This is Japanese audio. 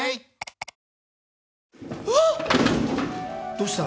どうした？